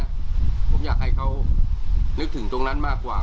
ผมอยากให้เขานึกถึงตรงนั้นมากกว่า